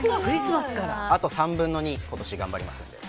あと３分の２今年頑張りますので。